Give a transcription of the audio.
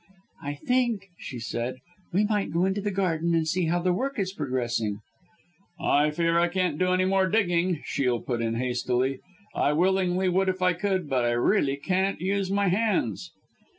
"I think," she said, "we might go into the garden and see how the work is progressing." "I fear I can't do any more digging," Shiel put in hastily, "I willingly would if I could, but I really can't use my hands."